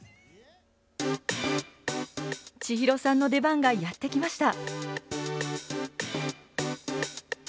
千尋さんの出番がやって来ました。